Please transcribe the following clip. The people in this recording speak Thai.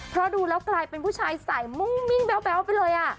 เพราะดูแล้วกลายเป็นผู้ชายใส่มุ่งมิ้งแบ๊วไปเลย